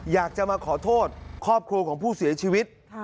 อยากจะมาขอโทษครอบครัวของผู้เสียชีวิต